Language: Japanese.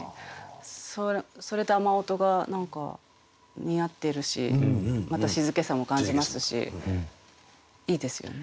それと「雨音」が何か似合ってるしまた静けさも感じますしいいですよね。